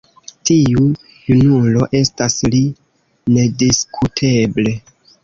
Tiu junulo estas li nediskuteble.